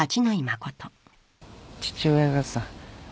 父親がさ。